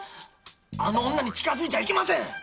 あの女に近づいちゃいけません！